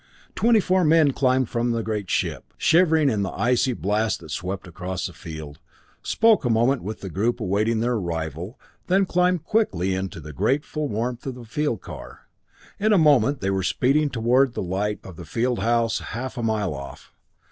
Twenty four men climbed from the great ship, shivering in the icy blast that swept across the field, spoke a moment with the group awaiting their arrival, then climbed quickly into the grateful warmth of a field car. In a moment they were speeding toward the lights of the field house, half a mile off.